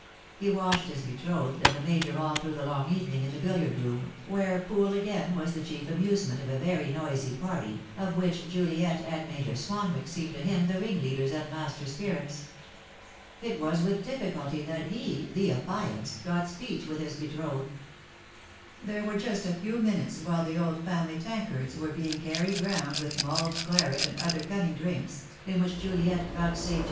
He watched his betrothed and the Major all through the long evening in the billiard room, where pool was again the chief amusement of a very noisy party, of which Juliet and Major Swanwick seemed to him the ringleaders and master spirits. It was with difficulty that he, the affianced, got speech with his betrothed. There were just a few minutes, while the old family tankards were being carried round with mulled claret and other cunning drinks, in which Juliet vouchsafed to I 6 THE DAY WILL COME.